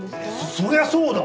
そりゃそうだ！